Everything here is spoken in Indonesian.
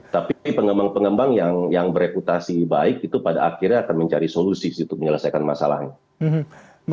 tapi pengembang pengembang yang bereputasi baik itu pada akhirnya akan mencari solusi untuk menyelesaikan masalahnya